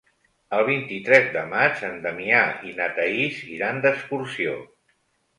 El vint-i-tres de maig en Damià i na Thaís iran d'excursió.